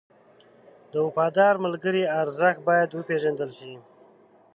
د وفادار ملګري ارزښت باید وپېژندل شي.